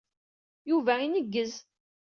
Yuba ineggez.